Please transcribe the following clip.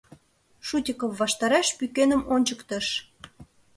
— Шутиков ваштареш пӱкеным ончыктыш.